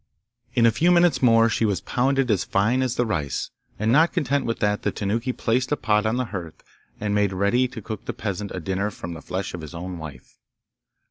In a few minutes more she was pounded as fine as the rice; and not content with that, the Tanuki placed a pot on the hearth and made ready to cook the peasant a dinner from the flesh of his own wife!